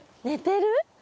寝てる？